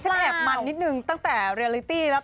แอบมันนิดนึงตั้งแต่เรียลิตี้แล้ว